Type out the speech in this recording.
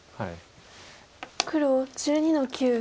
黒１２の九。